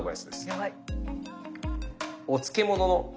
やばい！